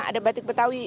ada batik betawi